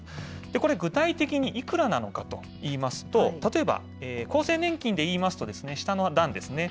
これ具体的にいくらなのかと言いますと、例えば厚生年金でいいますとですね、下の段ですね。